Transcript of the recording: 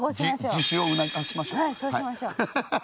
はいそうしましょう。ハハハ。